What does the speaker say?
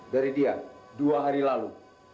dari dia dua hari lalu